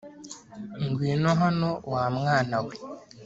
Ngwino hano wa mwana we